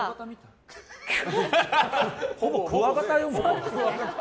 ほぼクワガタよ。